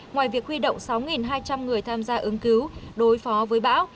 ngoài việc huy động sáu hai trăm linh người tham gia ứng cứu đối phó với bão